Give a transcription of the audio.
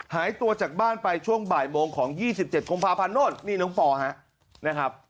หายตัวจากบ้านไปช่วงบ่ายโมงของ๒๗กุมภาพันธ์โน่นนี่น้องปอฮะนะครับ